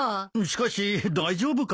しかし大丈夫かい？